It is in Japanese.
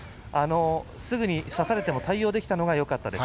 すぐに差されても対応できたのがよかったです。